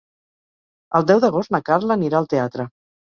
El deu d'agost na Carla anirà al teatre.